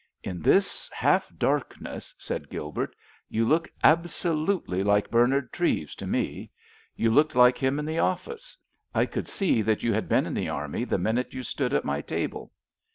"In this half darkness," said Gilbert, "you look absolutely like Bernard Treves to me. You looked like him in the office. I could see that you had been in the army the minute you stood at my table."